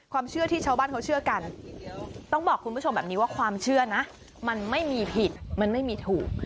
ความเชื่อที่ชาวบ้านเขาเชื่อกันต้องบอกคุณผู้ชมแบบนี้ว่าความเชื่อนะมันไม่มีผิดมันไม่มีถูก